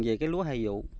về cái lúa hay dụ